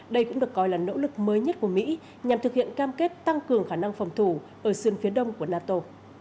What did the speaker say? đây cũng được coi là nỗ lực mới nhất của mỹ nhằm thực hiện cam kết tăng cường khả năng phòng thủ ở sườn phía đông của nato